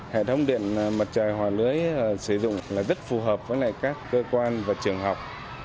hệ thống điện mặt trời hòa lưới sử dụng là rất phù hợp với các cơ quan và trường học